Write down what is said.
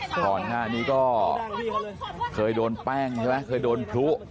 ก่อนหน้านี้ก็เคยโดนแป้งใช่ไหมเคยโดนพลุ